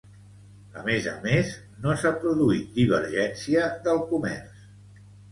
A més a més, no s'ha produït divergència del comerç.